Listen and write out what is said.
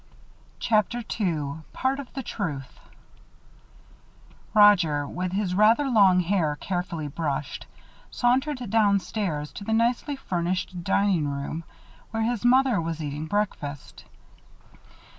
CHAPTER II PART OF THE TRUTH Roger, with his rather long hair carefully brushed, sauntered downstairs to the nicely furnished dining room, where his mother was eating breakfast.